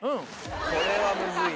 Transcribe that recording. これはむずいね。